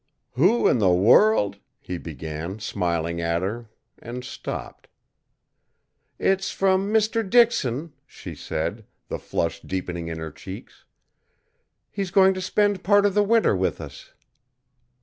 "Who in the world " he began, smiling at her; and stopped. "It's from Mr. Dixon," she said, the flush deepening in her cheeks. "He's going to spend part of the winter with us."